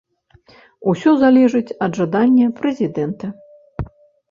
Усё залежыць ад жадання прэзідэнта.